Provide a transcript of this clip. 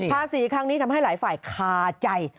ภาษีครั้งนี้ทำให้หลายฝ่ายคาใจ